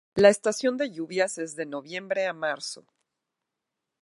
La estación de lluvias es de noviembre a marzo.